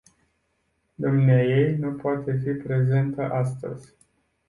Dumneaei nu poate fi prezentă astăzi.